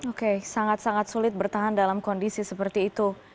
oke sangat sangat sulit bertahan dalam kondisi seperti itu